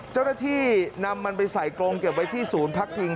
เจ้าหน้าที่นำมันไปใส่กรงเก็บไว้ที่ศูนย์พักพิง